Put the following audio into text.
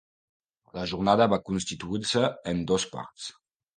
La jornada va constituir-se en dos parts.